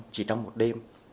chỉ trong một đêm